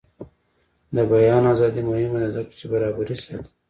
د بیان ازادي مهمه ده ځکه چې برابري ساتي.